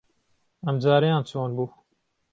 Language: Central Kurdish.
ئەمجارەیان چۆن بوو؟